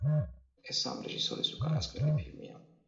ეს ამ რეჟისორის უკანასკნელი ფილმია.